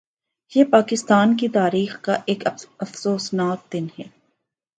یہ پاکستان کی تاریخ کا ایک افسوسناک دن ہے